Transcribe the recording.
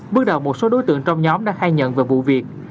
bước đầu một số đối tượng trong nhóm đã khai nhận về vụ việc